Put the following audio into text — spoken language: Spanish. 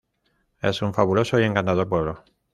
Es un fabuloso y encantador pueblo.